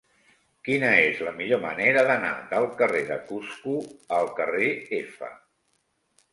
Quina és la millor manera d'anar del carrer de Cusco al carrer F?